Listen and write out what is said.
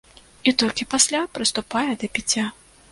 І толькі пасля прыступае да піцця.